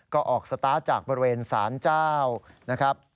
ก็ออกสตาร์ทจากบริเวณสารเจ้านะครับ